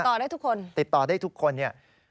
ต่อได้ทุกคนติดต่อได้ทุกคนเนี่ย